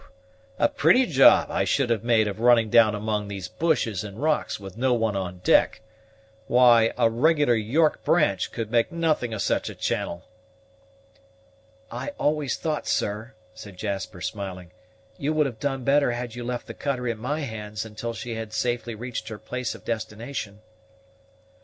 a pretty job I should have made of running down among these bushes and rocks with no one on deck! Why, a regular York branch could make nothing of such a channel." "I always thought, sir," said Jasper, smiling, "you would have done better had you left the cutter in my hands until she had safely reached her place of destination."